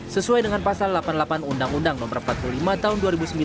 sesuai dengan pasal delapan puluh delapan undang undang no empat puluh lima tahun dua ribu sembilan